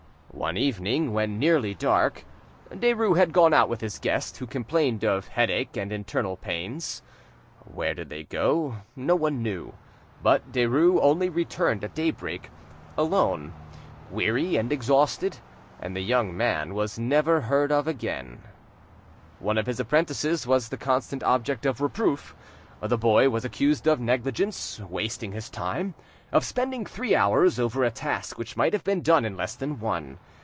One evening, when nearly dark, Derues had gone out with his guest, who complained of headache and internal pains. Where did they go? No one knew; but Denies only returned at daybreak, alone, weary and exhausted, and the young man was never again heard of. One of his apprentices was the constant object of reproof. The boy was accused of negligence, wasting his time, of spending three hours over a task which might have been done in less than one.